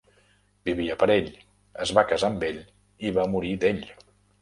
Vivia per ell, es va casar amb ell i va morir d'ell.